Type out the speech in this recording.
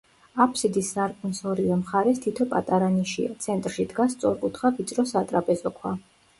აფსიდის სარკმლის ორივე მხარეს თითო პატარა ნიშია; ცენტრში დგას სწორკუთხა ვიწრო სატრაპეზო ქვა.